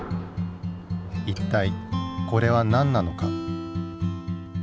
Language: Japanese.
一体これは何なのか？